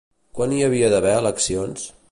Quan hi havia d'haver eleccions?